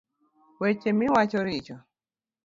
Weche miwacho richo